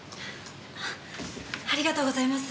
ありがとうございます。